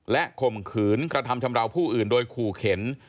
และข่มขืนกระทำชำราวผู้อื่นโดยขู่เข็น